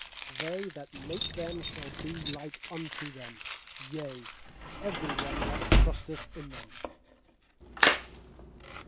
They that make them shall be like unto them; Yea, every one that trusteth in them.